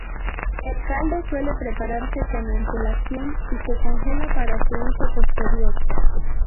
El caldo suele prepararse con antelación y se congela para su uso posterior.